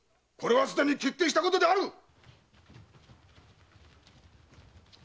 これはすでに決定したことである！